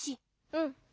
うん。